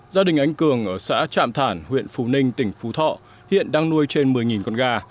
gia đình anh cường ở xã trạm thản huyện phú ninh tỉnh phú thọ hiện đang nuôi trên một mươi con gà